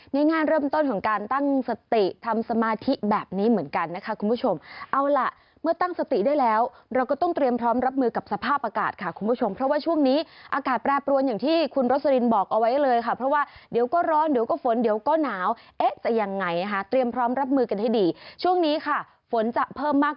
ง่ายเริ่มต้นของการตั้งสติทำสมาธิแบบนี้เหมือนกันนะคะคุณผู้ชมเอาล่ะเมื่อตั้งสติได้แล้วเราก็ต้องเตรียมพร้อมรับมือกับสภาพอากาศค่ะคุณผู้ชมเพราะว่าช่วงนี้อากาศแปรปรวนอย่างที่คุณโรสลินบอกเอาไว้เลยค่ะเพราะว่าเดี๋ยวก็ร้อนเดี๋ยวก็ฝนเดี๋ยวก็หนาวเอ๊ะจะยังไงนะคะเตรียมพร้อมรับมือกันให้ดีช่วงนี้ค่ะฝนจะเพิ่มมาก